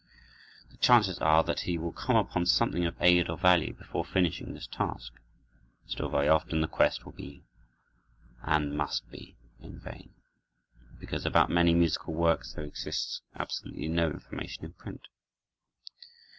The chances are that he will come upon something of aid or value before finishing this task. Still very often the quest will and must be in vain, because about many musical works there exists absolutely no information in print.